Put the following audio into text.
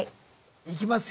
いきますよ